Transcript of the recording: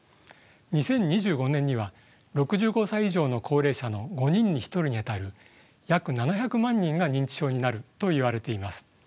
２０２５年には６５歳以上の高齢者の５人に１人にあたる約７００万人が認知症になるといわれています。